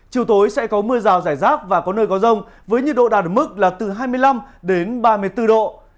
chiều tối sẽ có mưa rào rải rác và có nơi có rông với nhiệt độ đạt ở mức là từ hai mươi năm đến ba mươi bốn độ